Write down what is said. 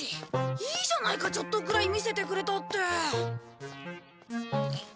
いいじゃないかちょっとくらい見せてくれたって。